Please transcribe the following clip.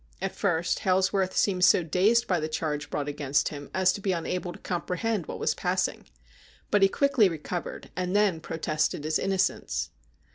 At first Hailsworth seemed so dazed by the charge brought against him as to be unable to comprehend what was passing. But he quickly recovered and then protested his innocence.